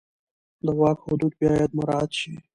د واک حدود باید مراعت شي.